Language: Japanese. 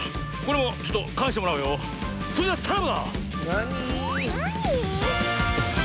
なに？